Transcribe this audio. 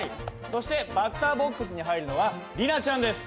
そしてバッターボックスに入るのは里奈ちゃんです。